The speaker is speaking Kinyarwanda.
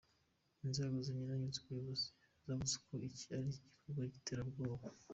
Inzego zinyuranye z’ubuyobozi zavuze ko iki ari igikorwa cy’iterabwoba.